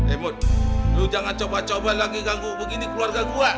eh mut lo jangan coba coba lagi ganggu begini keluarga gue